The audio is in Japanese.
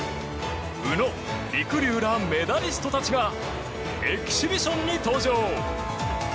宇野、りくりゅうらメダリストたちがエキシビションに登場。